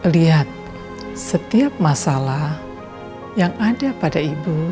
lihat setiap masalah yang ada pada ibu